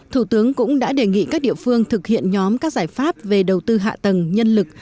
thủ tướng cũng đã đề nghị các địa phương thực hiện nhóm các giải pháp về đầu tư hạ tầng nhân lực